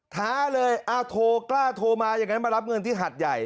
ท้าเลยโทรกล้าโทรมาอย่างนั้นมารับเงินที่หัดใหญ่